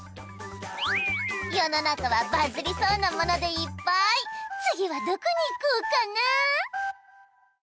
世の中はバズりそうなものでいっぱい次はどこに行こうかな？